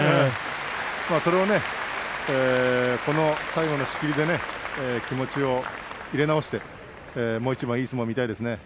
それを最後の仕切りで気持ちを入れ直してもう一番いい相撲が見たいですね。